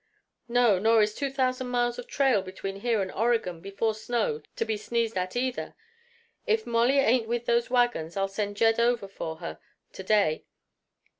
"No; nor is two thousand miles of trail between here and Oregon, before snow, to be sneezed at, either. If Molly ain't with those wagons I'll send Jed over for her to day.